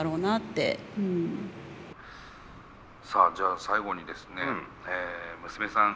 さあじゃあ最後にですね娘さん